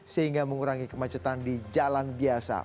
sehingga mengurangi kemacetan di jalan biasa